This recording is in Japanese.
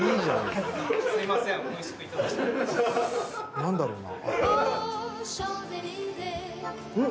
何だろうな？